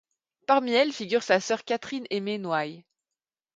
Parmi elles figure sa sœur Catherine-Aimée Noailles.